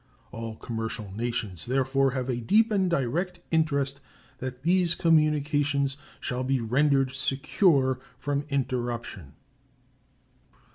All commercial nations therefore have a deep and direct interest that these communications shall be rendered secure from interruption.